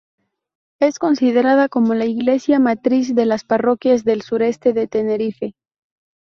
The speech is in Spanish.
Es considerada como la iglesia matriz de las parroquias del sureste de Tenerife.